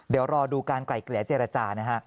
เดี๋ยวรอดูการไกล่เกลี่ยเจรจานะฮะ